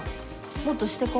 もっとしてこ。